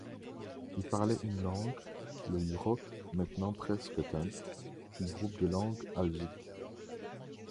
Ils parlaient une langue, le Yurok, maintenant presque éteinte, du groupe des langues algiques.